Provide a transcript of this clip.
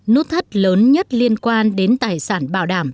nút thắt lớn nhất liên quan đến tài sản bảo đảm